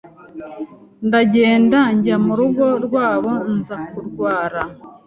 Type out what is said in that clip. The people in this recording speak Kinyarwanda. ndagenda njya mu rugo rwabo nza kurwara